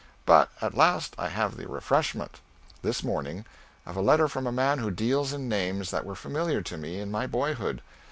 But at last I have the refreshment, this morning, of a letter from a man who deals in names that were familiar to me in my boyhood.